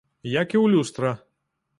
Як і ў люстра.